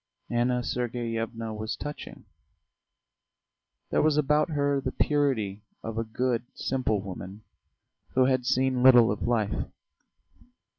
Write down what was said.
Anna Sergeyevna was touching; there was about her the purity of a good, simple woman who had seen little of life.